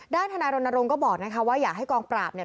ทนายรณรงค์ก็บอกนะคะว่าอยากให้กองปราบเนี่ย